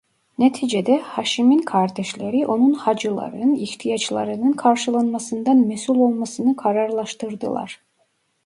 Neticede Hâşim'in kardeşleri onun hacıların ihtiyaçlarının karşılanmasından mesul olmasını kararlaştırdılar.